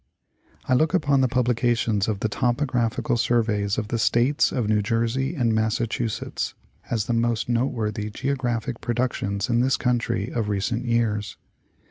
I look upon the publications of the Topographical Surveys of the States of New Jersey and Massachusetts as the most noteworthy Geographic productions in this country of recent years.